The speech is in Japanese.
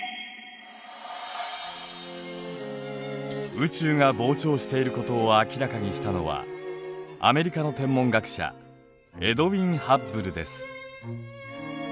宇宙が膨張していることを明らかにしたのはアメリカの天文学者エドウィン・ハッブルです。